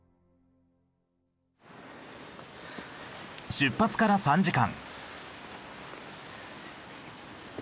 出発から３時間。